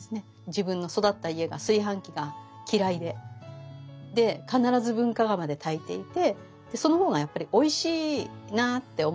自分の育った家が炊飯器が嫌いでで必ず文化釜で炊いていてでその方がやっぱりおいしいなって思ってたんです。